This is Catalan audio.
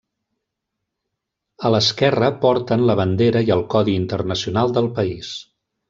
A l'esquerra porten la bandera i el codi internacional del país.